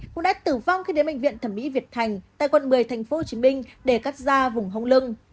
cũng đã tử vong khi đến bệnh viện thẩm mỹ việt thành tại quận một mươi tp hcm để cắt ra vùng hông lưng